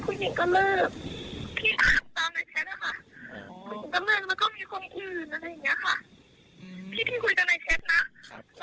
พี่คุยกันในแชทนะแล้วก็ไม่เคยคุยกันหรอกค่ะ